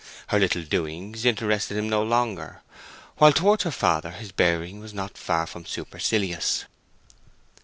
Her little doings interested him no longer, while towards her father his bearing was not far from supercilious.